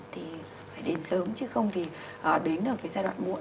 thì phải đến sớm chứ không thì đến ở cái giai đoạn muộn